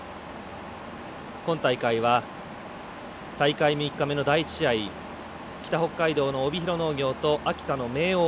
今大会は大会３日目の第１試合、北北海道の帯広農業と秋田の明桜。